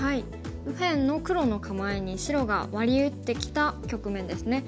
右辺の黒の構えに白がワリ打ってきた局面ですね。